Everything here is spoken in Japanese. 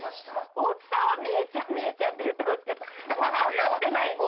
大津さんは「みえちゃんみえちゃん」って言ってますけどわかってない？